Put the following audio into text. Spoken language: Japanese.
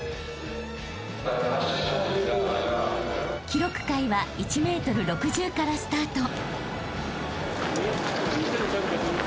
［記録会は１ｍ６０からスタート］